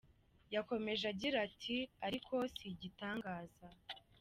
Yakomeje agira ati “Ariko si igitangaza.